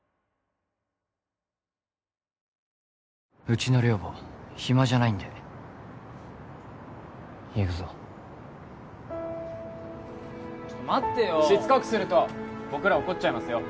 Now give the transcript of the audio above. うちの寮母暇じゃないんで行くぞ待ってよしつこくすると僕ら怒っちゃいますよ